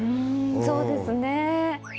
そうですね。